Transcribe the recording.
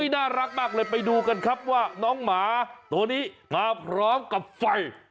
น่ารักมากเลยไปดูกันครับว่าน้องหมาตัวนี้มาพร้อมกับไฟ